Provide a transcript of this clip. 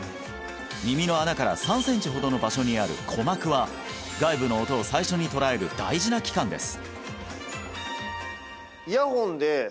耳の穴から３センチほどの場所にある鼓膜は外部の音を最初に捉える大事な器官です